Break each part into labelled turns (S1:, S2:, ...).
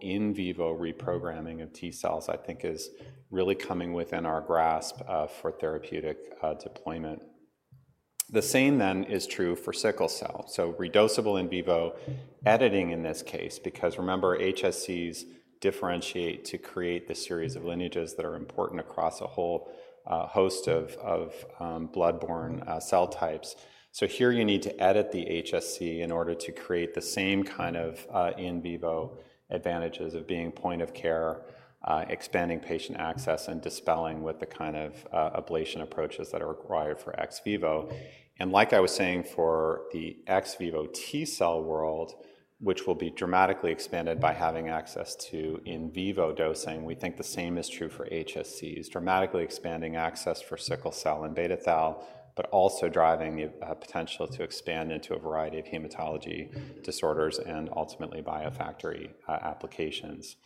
S1: In vivo reprogramming of T cells, I think, is really coming within our grasp, for therapeutic deployment. The same then is true for sickle cell. So redosable in vivo editing in this case, because remember, HSCs differentiate to create the series of lineages that are important across a whole host of blood-borne cell types. So here you need to edit the HSC in order to create the same kind of in vivo advantages of being point of care, expanding patient access, and dispelling what the kind of ablation approaches that are required for ex vivo. Like I was saying, for the ex vivo T cell world, which will be dramatically expanded by having access to in vivo dosing, we think the same is true for HSCs, dramatically expanding access for sickle cell and beta thal, but also driving the potential to expand into a variety of hematology disorders and ultimately biofactory applications.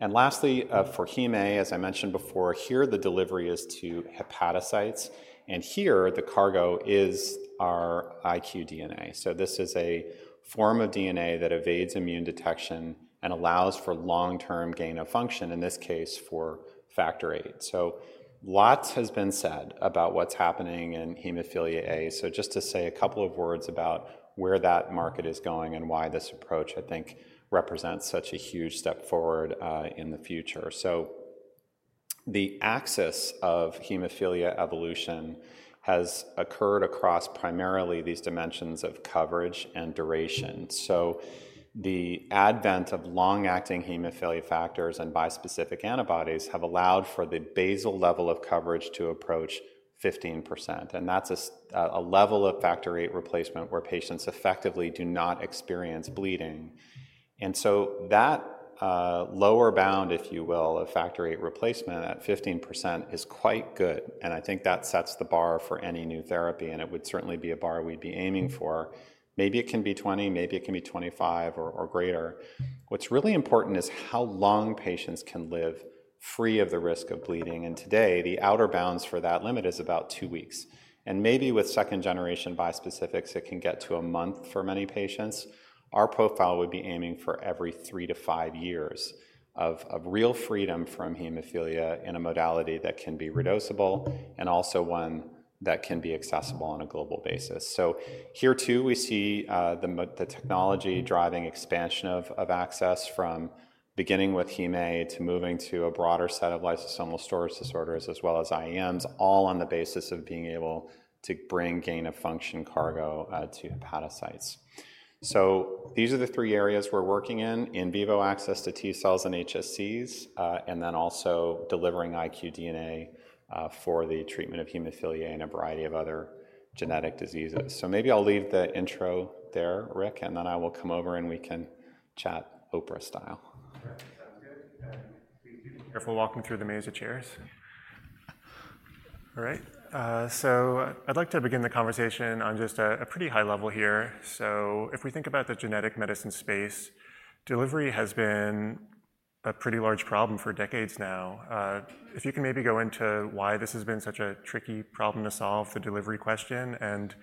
S1: Lastly, for hem A, as I mentioned before, here the delivery is to hepatocytes, and here the cargo is our iqDNA. This is a form of DNA that evades immune detection and allows for long-term gain of function, in this case, for factor VIII. Lots has been said about what's happening in hemophilia A, so just to say a couple of words about where that market is going and why this approach, I think, represents such a huge step forward in the future. So the axis of hemophilia evolution has occurred across primarily these dimensions of coverage and duration. So the advent of long-acting hemophilia factors and bispecific antibodies have allowed for the basal level of coverage to approach 15%, and that's a level of factor VIII replacement where patients effectively do not experience bleeding. And so that lower bound, if you will, of factor VIII replacement at 15% is quite good, and I think that sets the bar for any new therapy, and it would certainly be a bar we'd be aiming for. Maybe it can be 20%, maybe it can be 25% or greater. What's really important is how long patients can live free of the risk of bleeding, and today the outer bounds for that limit is about two weeks. Maybe with second-generation bispecifics, it can get to a month for many patients. Our profile would be aiming for every 3-5 years of real freedom from hemophilia in a modality that can be redosable, and also one that can be accessible on a global basis. Here, too, we see the technology driving expansion of access from beginning with hem A to moving to a broader set of lysosomal storage disorders, as well as IMs, all on the basis of being able to bring gain-of-function cargo to hepatocytes. These are the three areas we're working in, in vivo access to T cells and HSCs, and then also delivering iqDNA for the treatment of hemophilia and a variety of other genetic diseases. So, maybe I'll leave the intro there, Rick, and then I will come over, and we can chat Oprah style. Sure, sounds good. Thank you. Careful walking through the maze of chairs. All right, so I'd like to begin the conversation on just a pretty high level here. So if we think about the genetic medicine space, delivery has been a pretty large problem for decades now. If you can maybe go into why this has been such a tricky problem to solve, the delivery question, and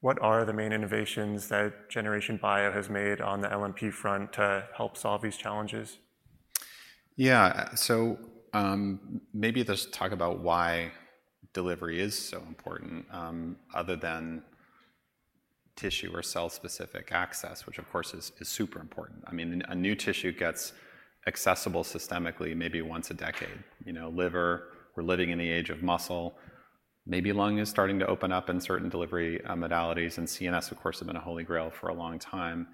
S1: what are the main innovations that Generation Bio has made on the LNP front to help solve these challenges? Yeah, so, maybe just talk about why delivery is so important, other than tissue or cell-specific access, which, of course, is super important. I mean, a new tissue gets accessible systemically, maybe once a decade, you know, liver. We're living in the age of muscle. Maybe lung is starting to open up in certain delivery modalities, and CNS, of course, have been a holy grail for a long time.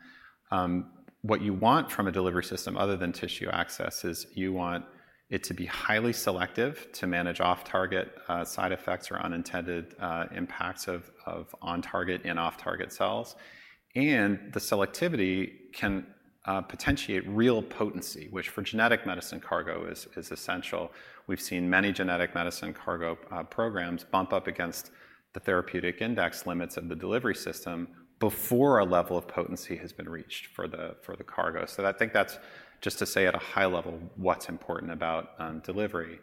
S1: What you want from a delivery system, other than tissue access, is you want it to be highly selective, to manage off-target side effects or unintended impacts of on-target and off-target cells. And the selectivity can potentiate real potency, which for genetic medicine cargo is essential. We've seen many genetic medicine cargo programs bump up against the therapeutic index limits of the delivery system before a level of potency has been reached for the cargo. So I think that's just to say at a high level, what's important about delivery.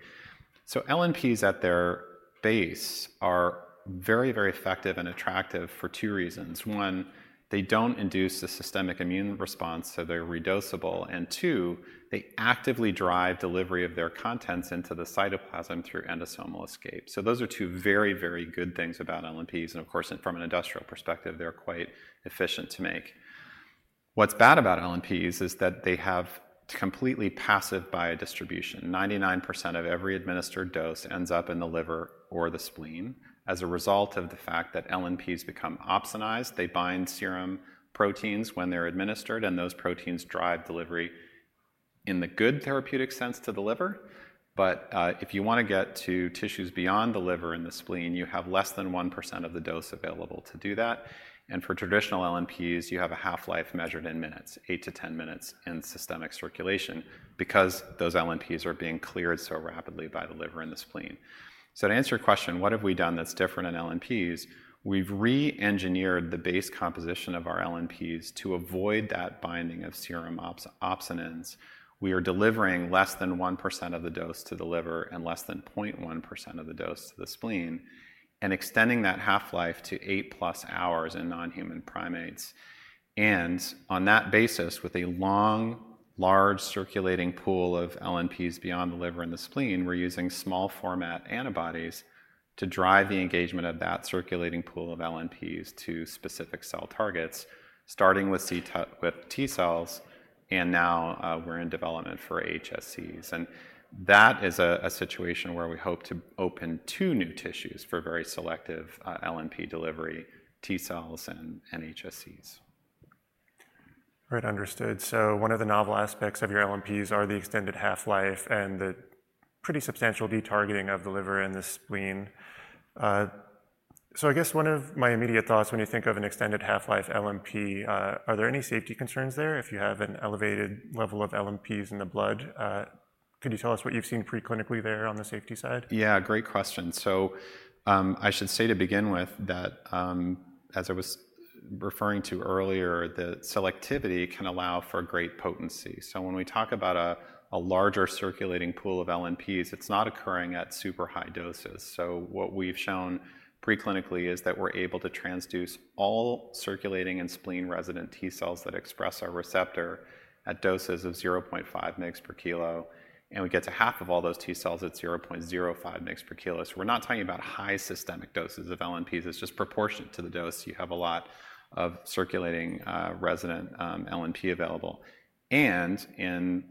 S1: So LNPs at their base are very, very effective and attractive for two reasons. One, they don't induce a systemic immune response, so they're redosable. And two, they actively drive delivery of their contents into the cytoplasm through endosomal escape. So those are two very, very good things about LNPs, and of course, from an industrial perspective, they're quite efficient to make. What's bad about LNPs is that they have completely passive biodistribution. 99% of every administered dose ends up in the liver or the spleen as a result of the fact that LNPs become opsonized. They bind serum proteins when they're administered, and those proteins drive delivery in the good therapeutic sense to the liver, but if you want to get to tissues beyond the liver and the spleen, you have less than 1% of the dose available to do that, and for traditional LNPs, you have a half-life measured in minutes, 8-10 minutes in systemic circulation, because those LNPs are being cleared so rapidly by the liver and the spleen, so to answer your question, what have we done that's different in LNPs? We've re-engineered the base composition of our LNPs to avoid that binding of serum opsons. We are delivering less than 1% of the dose to the liver and less than 0.1% of the dose to the spleen, and extending that half-life to 8+ hours in non-human primates. On that basis, with a large circulating pool of LNPs beyond the liver and the spleen, we're using small format antibodies to drive the engagement of that circulating pool of LNPs to specific cell targets, starting with T cells, and now we're in development for HSCs. That is a situation where we hope to open two new tissues for very selective LNP delivery, T cells and HSCs. Right. Understood. So one of the novel aspects of your LNPs are the extended half-life and the pretty substantial detargeting of the liver and the spleen. So I guess one of my immediate thoughts when you think of an extended half-life LNP, are there any safety concerns there if you have an elevated level of LNPs in the blood? Could you tell us what you've seen preclinically there on the safety side? Yeah, great question. So, I should say to begin with that, as I was referring to earlier, the selectivity can allow for great potency. So when we talk about a larger circulating pool of LNPs, it's not occurring at super high doses. So what we've shown pre-clinically is that we're able to transduce all circulating and spleen-resident T cells that express our receptor at doses of 0.5 mg per kg, and we get to half of all those T cells at 0.05 mg per kg. So we're not talking about high systemic doses of LNPs, it's just proportionate to the dose. You have a lot of circulating, resident, LNP available. In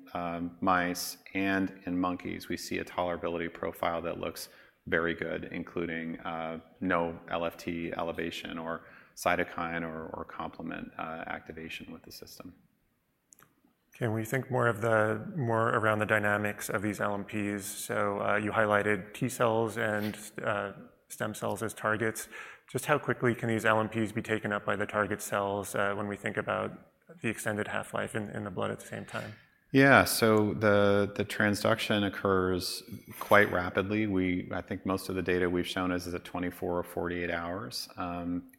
S1: mice and in monkeys, we see a tolerability profile that looks very good, including no LFT elevation or cytokine or complement activation with the system. Okay, when you think more around the dynamics of these LNPs, so, you highlighted T cells and stem cells as targets. Just how quickly can these LNPs be taken up by the target cells, when we think about the extended half-life in the blood at the same time? Yeah. So the transduction occurs quite rapidly. We. I think most of the data we've shown is at 24 or 48 hours.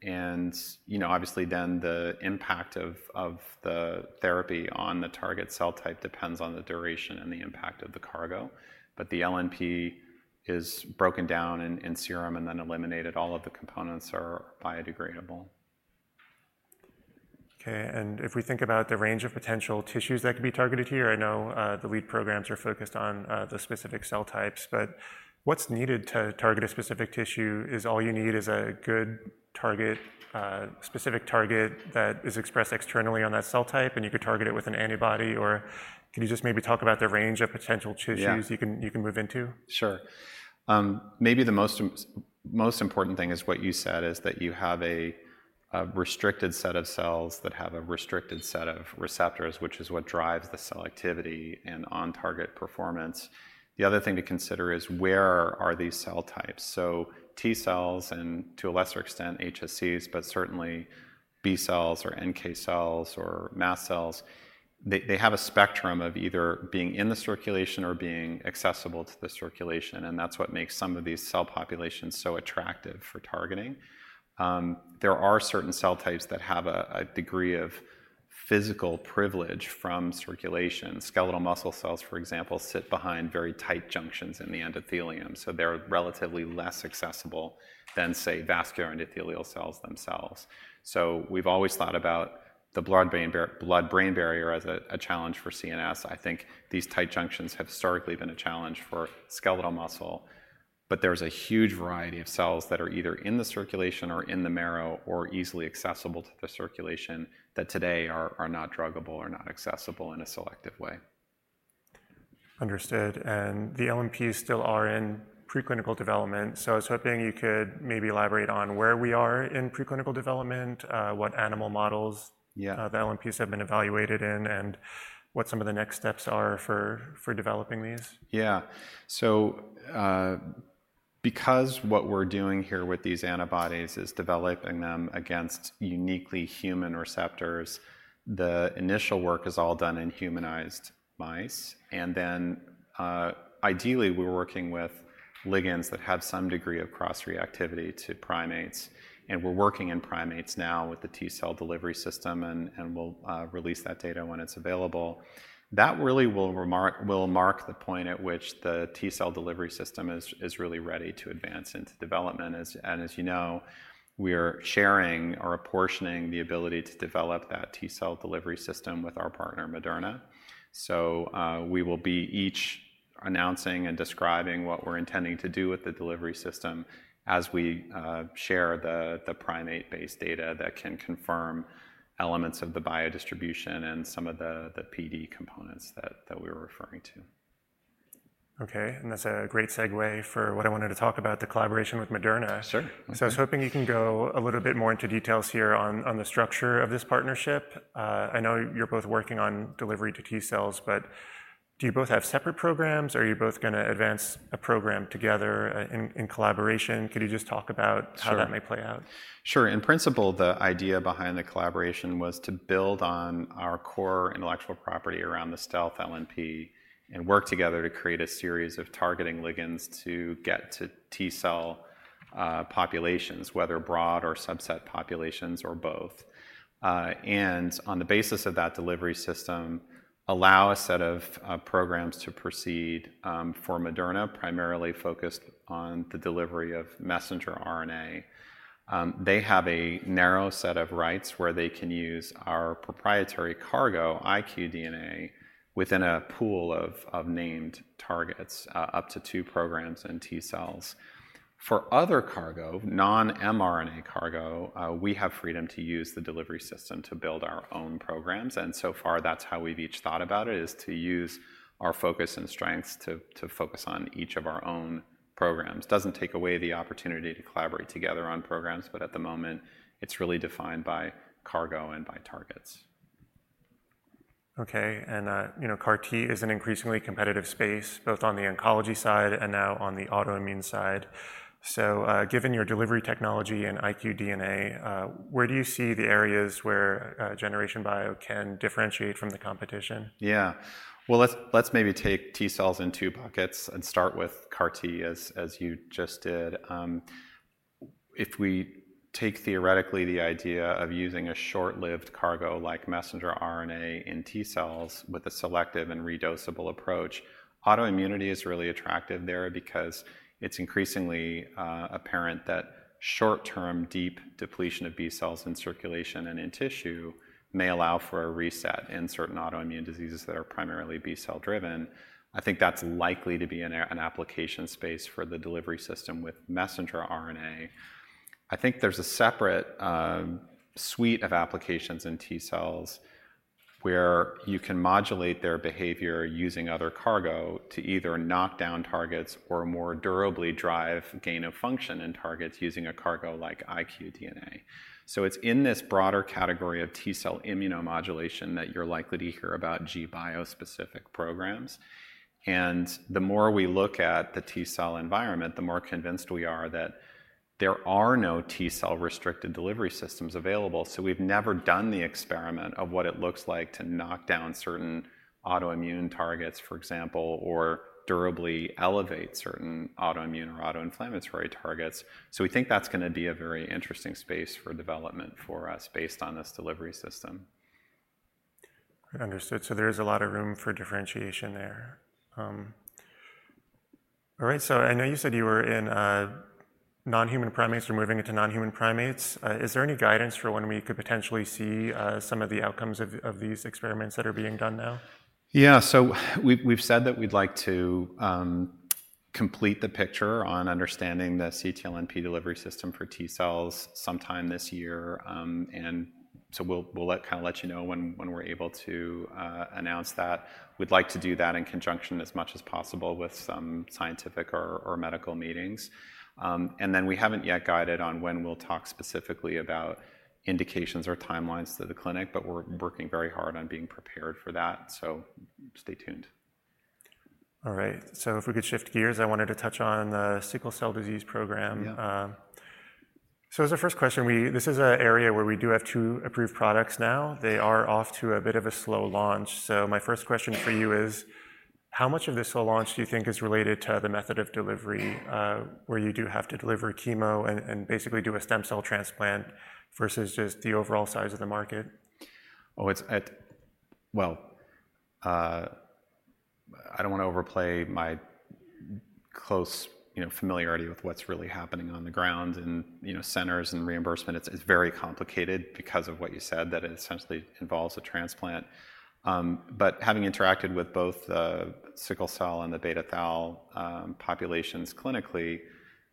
S1: And, you know, obviously then, the impact of the therapy on the target cell type depends on the duration and the impact of the cargo. But the LNP is broken down in serum and then eliminated. All of the components are biodegradable. Okay, and if we think about the range of potential tissues that could be targeted here, I know, the lead programs are focused on, the specific cell types, but what's needed to target a specific tissue? All you need is a good target, specific target that is expressed externally on that cell type, and you could target it with an antibody? Or could you just maybe talk about the range of potential tissues? Yeah. You can, you can move into? Sure. Maybe the most important thing is what you said, is that you have a restricted set of cells that have a restricted set of receptors, which is what drives the selectivity and on-target performance. The other thing to consider is, where are these cell types? So T cells, and to a lesser extent, HSCs, but certainly B cells or NK cells or mast cells, they have a spectrum of either being in the circulation or being accessible to the circulation, and that's what makes some of these cell populations so attractive for targeting. There are certain cell types that have a degree of physical privilege from circulation. Skeletal muscle cells, for example, sit behind very tight junctions in the endothelium, so they're relatively less accessible than, say, vascular endothelial cells themselves. So we've always thought about the blood-brain barrier as a challenge for CNS. I think these tight junctions have historically been a challenge for skeletal muscle, but there's a huge variety of cells that are either in the circulation or in the marrow, or easily accessible to the circulation, that today are not druggable or not accessible in a selective way. Understood. And the LNPs still are in preclinical development, so I was hoping you could maybe elaborate on where we are in preclinical development, what animal models? Yeah... the LNPs have been evaluated in, and what some of the next steps are for developing these. Yeah. Because what we're doing here with these antibodies is developing them against uniquely human receptors, the initial work is all done in humanized mice. Then, ideally, we're working with ligands that have some degree of cross-reactivity to primates, and we're working in primates now with the T cell delivery system, and we'll release that data when it's available. That really will mark the point at which the T cell delivery system is really ready to advance into development. As you know, we are sharing or apportioning the ability to develop that T cell delivery system with our partner, Moderna. We will be each announcing and describing what we're intending to do with the delivery system as we share the primate-based data that can confirm elements of the biodistribution and some of the PD components that we were referring to. Okay, and that's a great segue for what I wanted to talk about, the collaboration with Moderna. Sure. Mm-hmm. So I was hoping you can go a little bit more into details here on the structure of this partnership. I know you're both working on delivery to T cells, but do you both have separate programs, or are you both gonna advance a program together in collaboration? Could you just talk about- Sure. How that might play out? Sure. In principle, the idea behind the collaboration was to build on our core intellectual property around the stealth LNP and work together to create a series of targeting ligands to get to T cell populations, whether broad or subset populations or both, and on the basis of that delivery system, allow a set of programs to proceed for Moderna, primarily focused on the delivery of messenger RNA. They have a narrow set of rights where they can use our proprietary cargo, iqDNA, within a pool of named targets, up to two programs in T cells. For other cargo, non-mRNA cargo, we have freedom to use the delivery system to build our own programs, and so far, that's how we've each thought about it, is to use our focus and strengths to focus on each of our own programs. Doesn't take away the opportunity to collaborate together on programs, but at the moment, it's really defined by cargo and by targets. Okay, and, you know, CAR T is an increasingly competitive space, both on the oncology side and now on the autoimmune side. So, given your delivery technology and iqDNA, where do you see the areas where Generation Bio can differentiate from the competition? Yeah. Well, let's maybe take T cells in two buckets and start with CAR T, as you just did. If we take theoretically the idea of using a short-lived cargo like messenger RNA in T cells with a selective and redosable approach, autoimmunity is really attractive there because it's increasingly apparent that short-term, deep depletion of B cells in circulation and in tissue may allow for a reset in certain autoimmune diseases that are primarily B cell driven. I think that's likely to be an application space for the delivery system with messenger RNA. I think there's a separate suite of applications in T cells, where you can modulate their behavior using other cargo to either knock down targets or more durably drive gain of function in targets using a cargo like iqDNA. So it's in this broader category of T cell immunomodulation that you're likely to hear about GBIO-specific programs. And the more we look at the T cell environment, the more convinced we are that there are no T cell restricted delivery systems available, so we've never done the experiment of what it looks like to knock down certain autoimmune targets, for example, or durably elevate certain autoimmune or autoinflammatory targets. So we think that's gonna be a very interesting space for development for us, based on this delivery system. Understood. So there is a lot of room for differentiation there. All right, so I know you said you were in non-human primates or moving into non-human primates. Is there any guidance for when we could potentially see some of the outcomes of these experiments that are being done now? Yeah. So we've said that we'd like to complete the picture on understanding the ctLNP delivery system for T cells sometime this year. And so we'll let, kind of let you know when we're able to announce that. We'd like to do that in conjunction as much as possible with some scientific or medical meetings. And then we haven't yet guided on when we'll talk specifically about indications or timelines to the clinic, but we're working very hard on being prepared for that, so stay tuned. All right. So if we could shift gears, I wanted to touch on the sickle cell disease program. Yeah. So as a first question, we—this is an area where we do have two approved products now. They are off to a bit of a slow launch. So my first question for you is, how much of this slow launch do you think is related to the method of delivery, where you do have to deliver chemo and basically do a stem cell transplant, versus just the overall size of the market? Well, I don't want to overplay my close, you know, familiarity with what's really happening on the ground in, you know, centers and reimbursement. It's very complicated because of what you said, that it essentially involves a transplant. But having interacted with both the sickle cell and the beta thal populations clinically,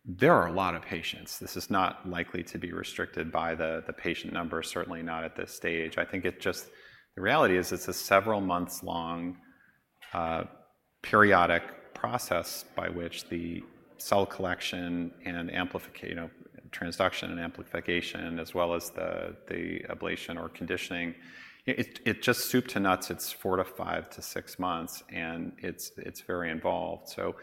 S1: there are a lot of patients. This is not likely to be restricted by the patient numbers, certainly not at this stage. I think it just the reality is, it's a several months-long periodic process by which the cell collection and transduction and amplification, as well as the ablation or conditioning, it just soup to nuts, it's four to five to six months, and it's very involved. So,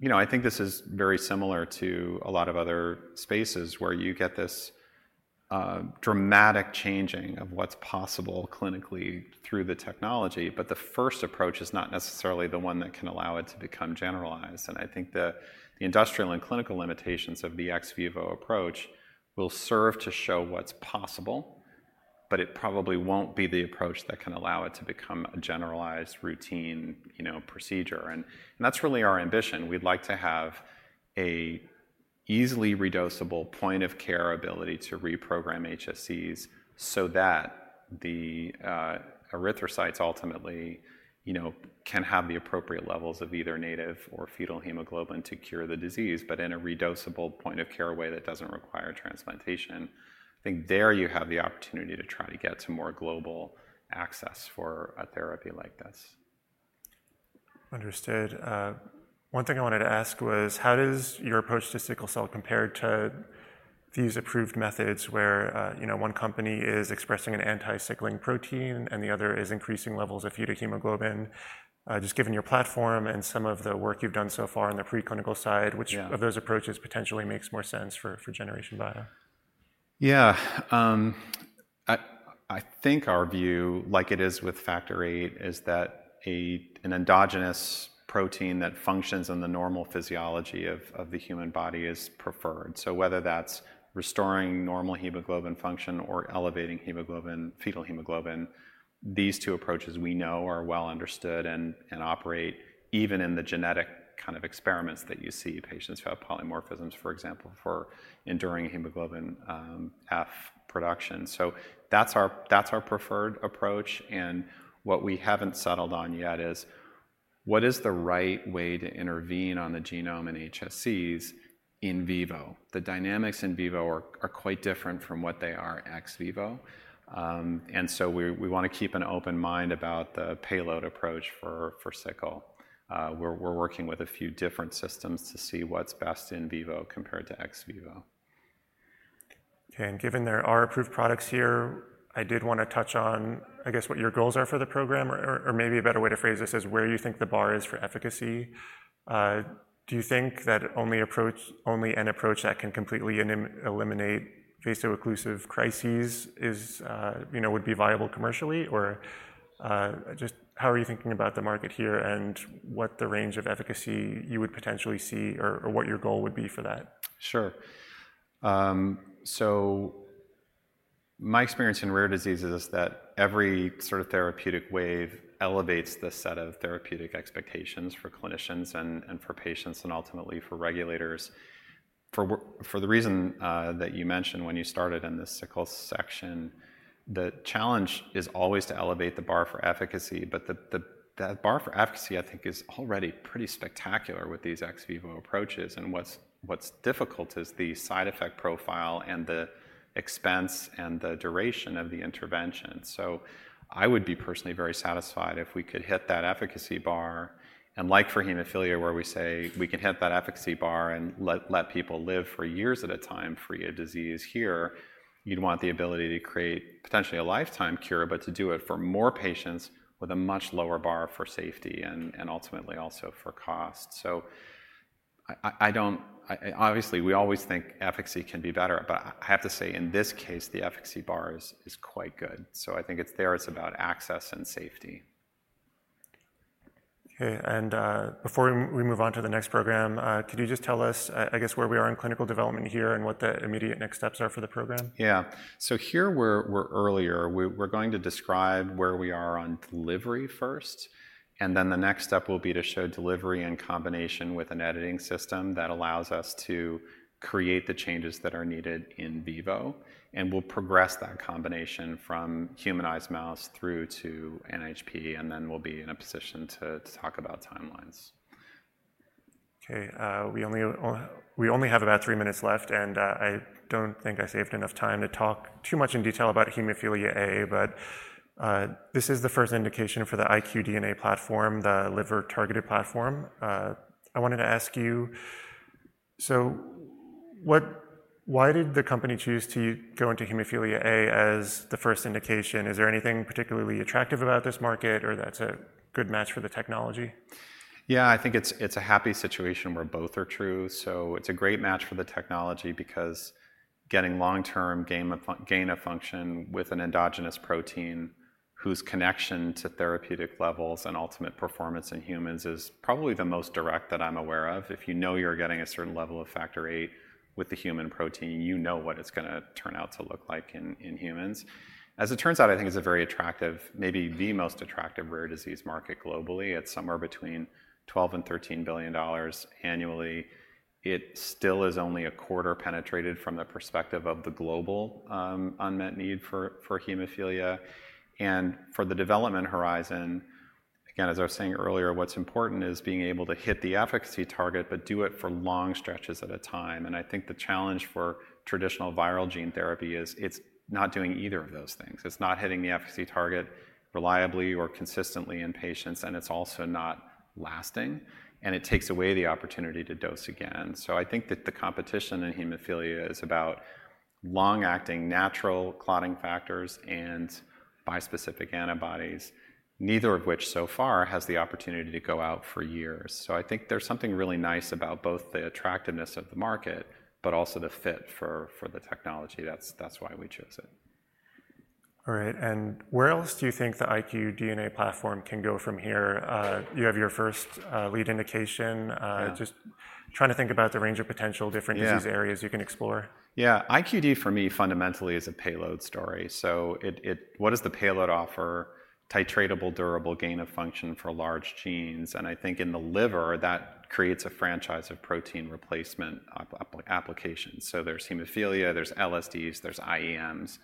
S1: you know, I think this is very similar to a lot of other spaces, where you get this dramatic changing of what's possible clinically through the technology, but the first approach is not necessarily the one that can allow it to become generalized. And I think the industrial and clinical limitations of the ex vivo approach will serve to show what's possible, but it probably won't be the approach that can allow it to become a generalized, routine, you know, procedure. And that's really our ambition. We'd like to have a easily redosable point of care ability to reprogram HSCs so that the erythrocytes ultimately, you know, can have the appropriate levels of either native or fetal hemoglobin to cure the disease, but in a redosable point-of-care way that doesn't require transplantation. I think there you have the opportunity to try to get to more global access for a therapy like this. Understood. One thing I wanted to ask was, how does your approach to sickle cell compare to these approved methods where, you know, one company is expressing an anti-sickling protein and the other is increasing levels of fetal hemoglobin? Just given your platform and some of the work you've done so far on the preclinical side- Yeah... which of those approaches potentially makes more sense for Generation Bio? Yeah. I think our view, like it is with factor VIII, is that an endogenous protein that functions in the normal physiology of the human body is preferred. So whether that's restoring normal hemoglobin function or elevating hemoglobin, fetal hemoglobin, these two approaches we know are well understood and operate even in the genetic kind of experiments that you see in patients who have polymorphisms, for example, for inducing hemoglobin F production. So that's our preferred approach, and what we haven't settled on yet is what is the right way to intervene on the genome in HSCs in vivo. The dynamics in vivo are quite different from what they are ex vivo. And so we want to keep an open mind about the payload approach for sickle. We're working with a few different systems to see what's best in vivo compared to ex vivo. Okay, and given there are approved products here, I did want to touch on, I guess, what your goals are for the program, or, maybe a better way to phrase this is: where you think the bar is for efficacy. Do you think that only an approach that can completely eliminate vaso-occlusive crises is, you know, would be viable commercially? Or, just how are you thinking about the market here, and what the range of efficacy you would potentially see or what your goal would be for that? Sure. So my experience in rare diseases is that every sort of therapeutic wave elevates the set of therapeutic expectations for clinicians and, and for patients, and ultimately for regulators. For the reason that you mentioned when you started in this sickle section, the challenge is always to elevate the bar for efficacy, but that bar for efficacy, I think, is already pretty spectacular with these ex vivo approaches. And what's difficult is the side effect profile, and the expense, and the duration of the intervention. So I would be personally very satisfied if we could hit that efficacy bar. Like for hemophilia, where we say we can hit that efficacy bar and let people live for years at a time, free of disease, here you'd want the ability to create potentially a lifetime cure, but to do it for more patients with a much lower bar for safety and ultimately also for cost. I don't. Obviously, we always think efficacy can be better, but I have to say, in this case, the efficacy bar is quite good, so I think it's there. It's about access and safety. Okay, and, before we move on to the next program, could you just tell us, I guess, where we are in clinical development here, and what the immediate next steps are for the program? Yeah. So here, we're earlier. We're going to describe where we are on delivery first, and then the next step will be to show delivery in combination with an editing system that allows us to create the changes that are needed in vivo. And we'll progress that combination from humanized mouse through to NHP, and then we'll be in a position to talk about timelines. Okay, we only have about three minutes left, and I don't think I saved enough time to talk too much in detail about Hemophilia A, but this is the first indication for the iqDNA platform, the liver-targeted platform. I wanted to ask you, why did the company choose to go into Hemophilia A as the first indication? Is there anything particularly attractive about this market or that's a good match for the technology? Yeah, I think it's a happy situation where both are true. So it's a great match for the technology because getting long-term gain-of-function with an endogenous protein, whose connection to therapeutic levels and ultimate performance in humans is probably the most direct that I'm aware of. If you know you're getting a certain level of factor VIII with the human protein, you know what it's gonna turn out to look like in humans. As it turns out, I think it's a very attractive, maybe the most attractive, rare disease market globally. It's somewhere between $12 billion and $13 billion annually. It still is only a quarter penetrated from the perspective of the global unmet need for hemophilia. For the development horizon, again, as I was saying earlier, what's important is being able to hit the efficacy target but do it for long stretches at a time. I think the challenge for traditional viral gene therapy is it's not doing either of those things. It's not hitting the efficacy target reliably or consistently in patients, and it's also not lasting, and it takes away the opportunity to dose again. I think that the competition in hemophilia is about long-acting, natural clotting factors and bispecific antibodies, neither of which so far has the opportunity to go out for years. I think there's something really nice about both the attractiveness of the market, but also the fit for the technology. That's why we chose it. All right, and where else do you think the iqDNA platform can go from here? You have your first lead indication- Yeah. just trying to think about the range of potential different- Yeah... disease areas you can explore. yeah. iqDNA, for me, fundamentally, is a payload story. So it—what does the payload offer? Titratable, durable gain of function for large genes, and I think in the liver, that creates a franchise of protein replacement applications. So there's hemophilia, there's LSDs, there's IEMs,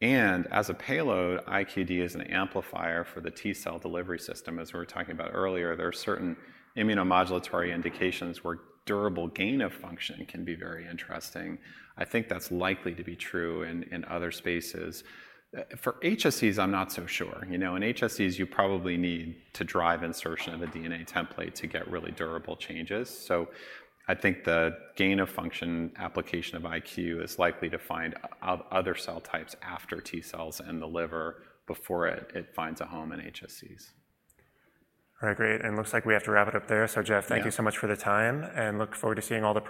S1: and as a payload, iqDNA is an amplifier for the T cell delivery system. As we were talking about earlier, there are certain immunomodulatory indications where durable gain of function can be very interesting. I think that's likely to be true in other spaces. For HSCs, I'm not so sure. You know, in HSCs, you probably need to drive insertion of a DNA template to get really durable changes. So I think the gain-of-function application iqDNA is likely to find other cell types after T cells in the liver before it finds a home in HSCs. All right, great, and it looks like we have to wrap it up there. Yeah. So, Geoff, thank you so much for the time, and look forward to seeing all the-